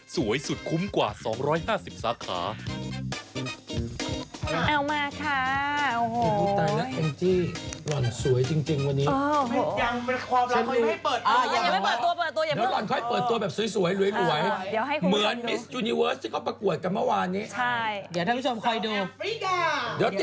สวยสุดคุ้มกว่า๒๕๐สาขา